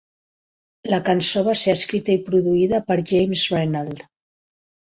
La cançó va ser escrita i produïda per James Renald.